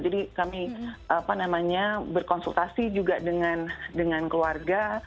jadi kami apa namanya berkonsultasi juga dengan keluarga